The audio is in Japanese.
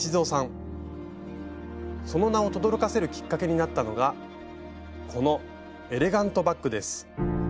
その名をとどろかせるきっかけになったのがこの「エレガントバッグ」です。